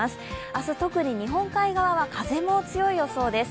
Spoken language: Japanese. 明日、特に日本海側は風も強い予想です。